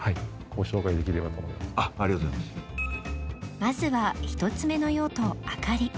まずは１つ目の用途明かり